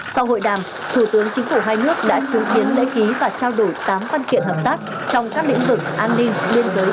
sau hội đàm thủ tướng chính phủ hai nước đã chứng kiến lễ ký và trao đổi tám văn kiện hợp tác trong các lĩnh vực an ninh biên giới